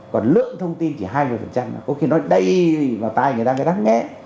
còn lượng thông tin chỉ hai mươi có khi nó đầy vào tay người ta mới đáng nghe